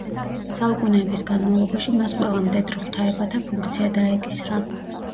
საუკუნეების განმავლობაში მას ყველა მდედრ ღვთაებათა ფუნქცია დაეკისრა.